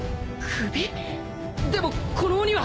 でもこの鬼は。